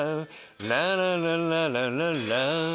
ラララララララ